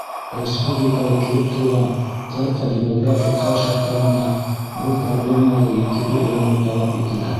Республикала килеп тыуған ҡырҡа демографик хәл шарттарында был проблемаларҙы ентекле өйрәнеү талап ителә.